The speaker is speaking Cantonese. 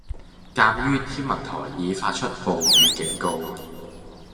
鑑於天文台已發出暴雨警告